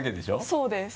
そうです。